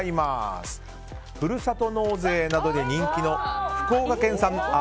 ふるさと納税などで人気の福岡県産のあ